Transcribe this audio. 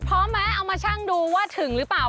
พร้อมไหมเอามาช่างดูว่าถึงหรือเปล่า